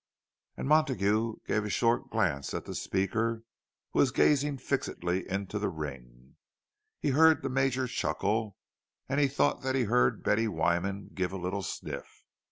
And Montague gave a short glance at the speaker, who was gazing fixedly into the ring. He heard the Major chuckle, and he thought that he heard Betty Wyman give a little sniff.